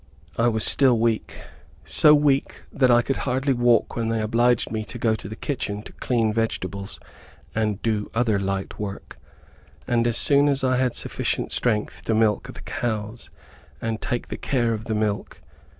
I was still weak, so weak that I could hardly walk when they obliged me to go into the kitchen to clean vegetables and do other light work, and as soon as I had sufficient strength, to milk the cows, and take the care of the milk.